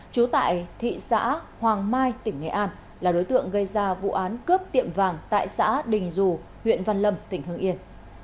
trú tại thị xã hoàng mai tỉnh nghệ an là đối tượng gây ra vụ án cướp tiệm vàng tại xã đình dù huyện văn lâm tỉnh hương yên